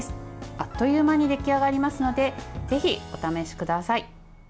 あっという間に出来上がりますのでぜひお試しください。